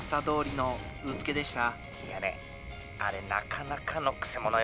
「いやねあれなかなかのくせ者よ」。